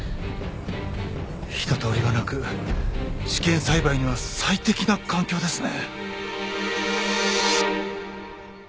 人通りはなく試験栽培には最適な環境ですね。